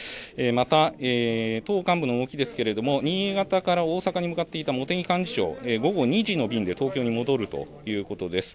また党幹部の動きですけれども新潟から大阪に向かっていた茂木幹事長、午後２時の便で東京に戻るということです。